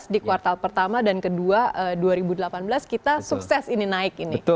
di kuartal pertama dan kedua dua ribu delapan belas kita sukses ini naik ini